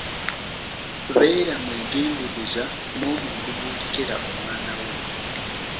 Beera mwegendereza n'omuntu gw'olekera omwana wo.